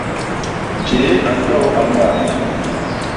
Njéé a lo a mbaame.